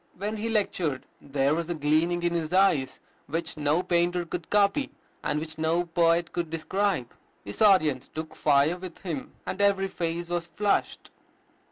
When he lectured, "there was a gleaming in his eyes which no painter could copy, and which no poet could describe. His audience took fire with him, and every face was flushed."